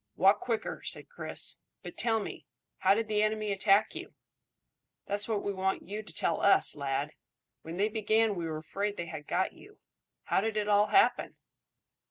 "Walk quicker," said Chris. "But tell me, how did the enemy attack you?" "That's what we want you to tell us, lad. When they began we were afraid they had got you. How did it all happen?"